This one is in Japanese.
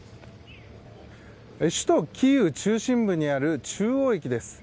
首都キーウ中心部にある中央駅です。